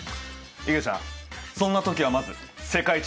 いげちゃんそんな時はまず世界地図だ。